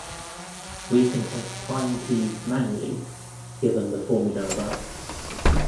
We can test prime "p"'s manually given the formula above.